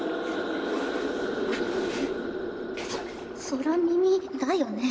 空耳だよね？